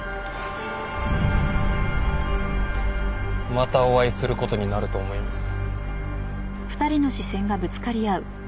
またお会いすることになると思います。